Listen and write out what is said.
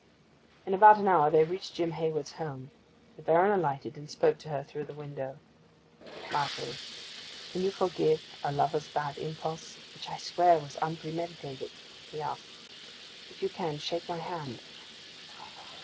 In about an hour they reached Jim Hayward's home. The Baron alighted, and spoke to her through the window. 'Margery, can you forgive a lover's bad impulse, which I swear was unpremeditated?' he asked. 'If you can, shake my hand.